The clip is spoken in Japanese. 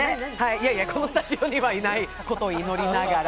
いやいや、このスタジオにはいないことを祈りながら。